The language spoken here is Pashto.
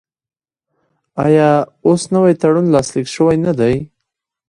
آیا اوس نوی تړون لاسلیک شوی نه دی؟